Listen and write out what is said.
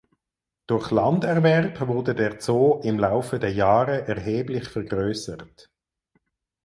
Durch Landerwerb wurde der Zoo im Laufe der Jahre erheblich vergrößert.